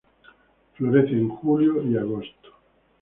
Florece en julio y agosto.